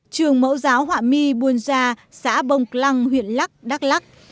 trường mẫu giáo họa my buôn gia xã bông lăng huyện lắc đắk lắc